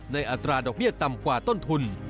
อัตราดอกเบี้ยต่ำกว่าต้นทุน